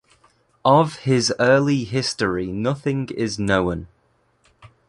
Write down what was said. Of his early history nothing is known.